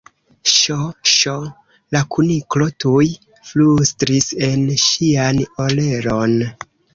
"Ŝ! Ŝ!" la Kuniklo tuj flustris en ŝian orelon.